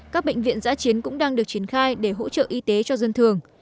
các bệnh viện giã chiến cũng đang được triển khai để hỗ trợ y tế cho dân thường